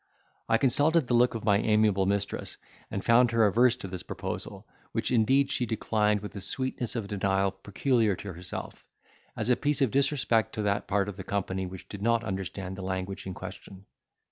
I consulted the look of my amiable mistress and found her averse to his proposal, which indeed she declined with a sweetness of denial peculiar to herself, as a piece of disrespect to that part of the company which did not understand the language in question.